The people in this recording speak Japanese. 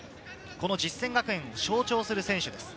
この実践学園を象徴する選手です。